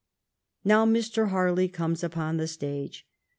Now Mr. Harley comes upon the stage.